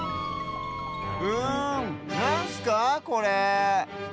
うんなんすかこれ？